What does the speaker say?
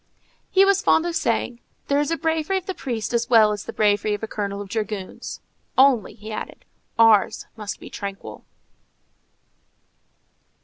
He was fond of saying, "There is a bravery of the priest as well as the bravery of a colonel of dragoons,—only," he added, "ours must be tranquil."